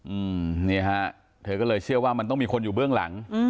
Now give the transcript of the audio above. อืมนี่ฮะเธอก็เลยเชื่อว่ามันต้องมีคนอยู่เบื้องหลังอืม